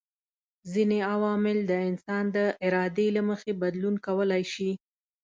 ځيني عوامل د انسان د ارادې له مخي بدلون کولای سي